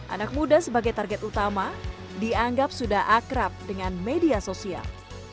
anak muda sebagai target utama dianggap sudah akrab dengan media sosial